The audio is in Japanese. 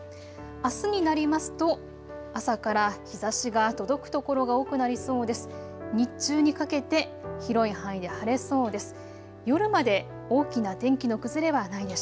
あすになりますと、朝から日ざしが届く所が多くなりそうです。